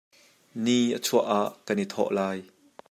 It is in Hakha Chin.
Ni a chuak ah kan i thawh lai.